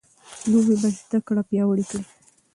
لوبې به زده کړه پیاوړې کړي.